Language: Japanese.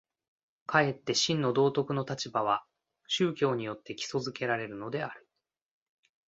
かえって真の道徳の立場は宗教によって基礎附けられるのである。